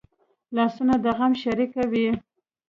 لاسونه د غم شریکه وي